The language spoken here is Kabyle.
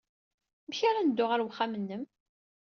Amek ara n-dduɣ ɣer uxxam-nnem?